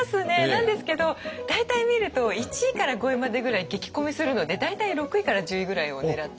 なんですけど大体見ると１位から５位までぐらい激混みするので大体６位から１０位ぐらいを狙って。